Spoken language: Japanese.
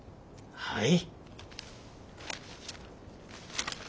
はい。